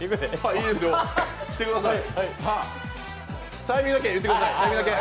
いいですよ、来てください。